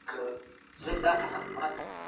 تر څو چي دا نړۍ وي غریب بې ارزښته دی.